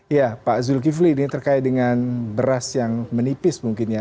ya pak zulkifli ini terkait dengan beras yang menipis mungkin ya